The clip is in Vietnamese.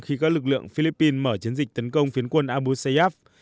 khi các lực lượng philippines mở chiến dịch tấn công phiến quân abu sayav